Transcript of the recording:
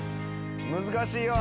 難しいよ